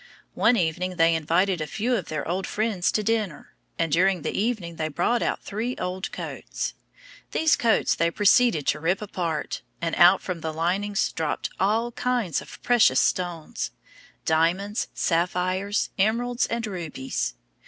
One evening they invited a few of their old friends to dinner, and during the evening they brought out three old coats. These coats they proceeded to rip apart, and out from the linings dropped all kinds of precious stones diamonds, sapphires, emeralds, and rubies.